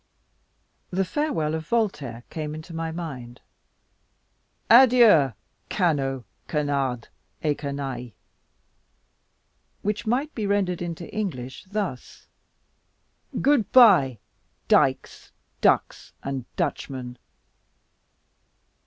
The farewell of Voltaire came into my mind. "Adieu, Canaux, Canardes, et Canaille," which might be rendered into English thus: "Good bye, Dykes, Ducks, and Dutchmen."